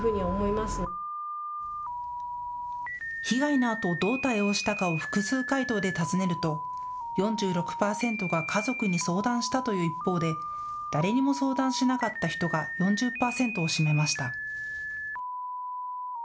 被害のあと、どう対応したかを複数回答で尋ねると４６％が家族に相談したという一方で誰にも相談しなかった人が４０％を占めました。